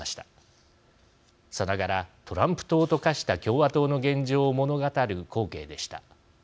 さながらトランプ党と化した共和党の現状を物語る光景でした。